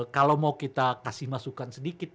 kalau mau kita kasih masukan sedikit